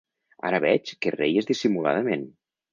Ara veig que reies dissimuladament.